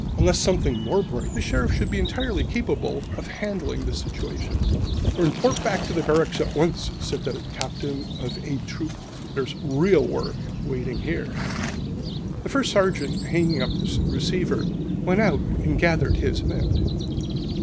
Unless something more breaks, the Sheriff should be entirely capable of handling the situation." "Then report back to Barracks at once," said the voice of the Captain of "A" Troop. "There's real work waiting here." The First Sergeant, hanging up the receiver, went out and gathered his men.